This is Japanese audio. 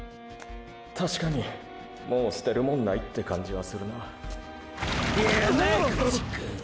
確かにもう捨てるもんないって感じはするな山口くぅん？